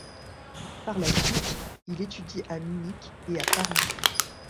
Par la suite, il étudie à Munich et à Paris.